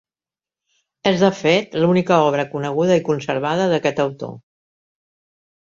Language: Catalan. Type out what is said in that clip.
És, de fet, l'única obra coneguda i conservada d'aquest autor.